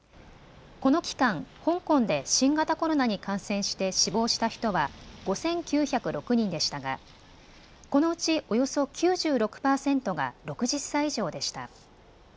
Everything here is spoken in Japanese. この期間、香港で新型コロナに感染して死亡した人は５９０６人でしたがこのうちおよそ９６％が６０歳以上でした。